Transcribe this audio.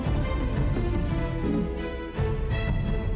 udah ikut aku ken